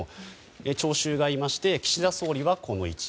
聴衆がいまして岸田総理は、この位置。